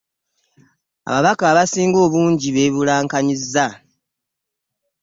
Ababaka abasinga obungi beebulankanyizza.